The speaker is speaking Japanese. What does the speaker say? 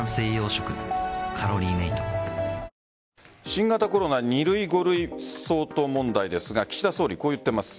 新型コロナ２類・５類相当問題ですが岸田総理、こう言っています。